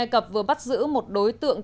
ai cập vừa bắt giữ một đối tượng